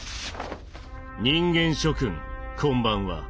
人間諸君こんばんは。